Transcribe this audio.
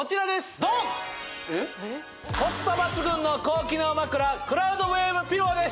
ドンコスパ抜群の高機能枕クラウドウェーブピローです